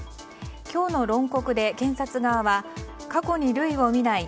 今日の論告で検察側は過去に類を見ない